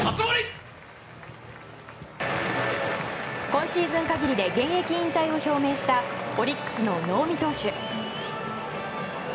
今シーズン限りで現役引退を表明したオリックスの能見投手。